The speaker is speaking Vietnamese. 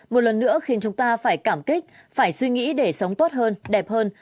một lần nữa khiến chúng ta phải cảm kích phải suy nghĩ để sống tốt hơn đẹp hơn